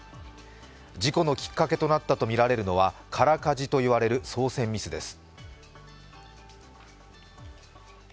事故のきっかけとなったとみられるのは、空かじといわれる操船ミスです。